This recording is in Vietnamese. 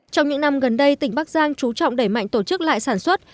trong những năm gần đây tỉnh bắc giang chú trọng đẩy mạnh tổ chức lại sản xuất